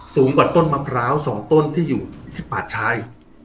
สูงกว่าต้นมะพร้าว๒ต้นที่อยู่ที่ป่าชาย